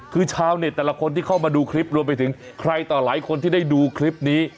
คือชาวเน็ตแต่ละคนที่เข้ามาดูคลิปรวมไปถึงใครต่อหลายคนที่ได้ดูคลิปนี้